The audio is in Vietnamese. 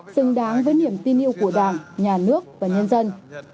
xứng đáng với niềm tin yêu của đảng nhà nước và nhân dân